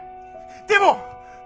でも！